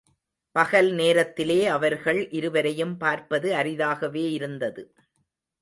பகல் நேரத்திலே அவர்கள் இருவரையும் பார்ப்பது அரிதாகவே இருந்தது.